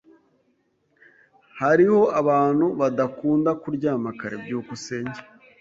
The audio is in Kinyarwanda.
Hariho abantu badakunda kuryama kare. byukusenge